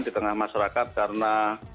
di tengah masyarakat karena